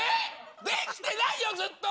できてないよずっと！